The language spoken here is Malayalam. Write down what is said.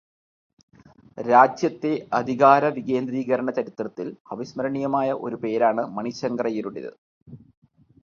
രാജ്യത്തെ അധികാരവികേന്ദ്രീകരണ ചരിത്രത്തിൽ അവിസ്മരണീയമായ ഒരു പേരാണ് മണിശങ്കർ അയ്യരുടേത്.